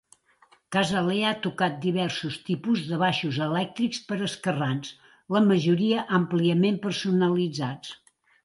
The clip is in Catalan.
Casale ha tocat diversos tipus de baixos elèctrics per a esquerrans, la majoria àmpliament personalitzats.